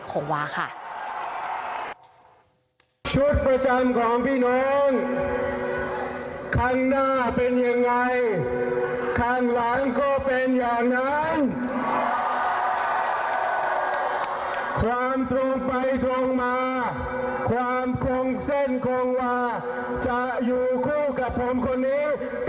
ความคงเส้นคงว่าจะอยู่คู่กับผมคนนี้